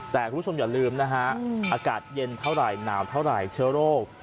แต่คุณผู้ชมอย่าลืมนะฮะอากาศเย็นเท่าไหร่หนาวเท่าไหร่เชื้อโรค